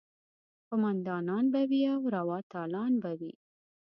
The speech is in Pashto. قوماندانان به وي او روا تالان به وي.